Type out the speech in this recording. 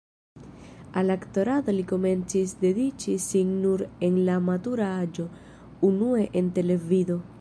Al aktorado li komencis dediĉi sin nur en la matura aĝo, unue en televido.